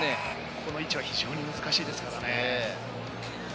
この位置は非常に難しいですからね。